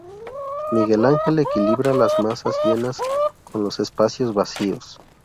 Miguel Ángel equilibra las masas llenas con los espacios vacíos.